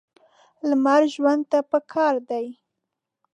لمر ژوند ته پکار دی.